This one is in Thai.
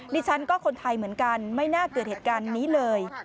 ดิฉันก็คนไทยเหมือนกันไม่น่าเกิดเหตุการณ์นี้เลย